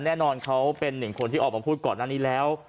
แน่นอนเขาเป็นหนึ่งคนที่ออกมาพูดก่อนหน้านี้แล้ว